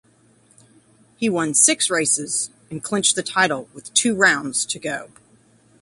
He won six races and clinched the title with two rounds to go.